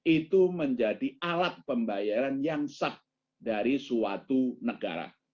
itu menjadi alat pembayaran yang sah dari suatu negara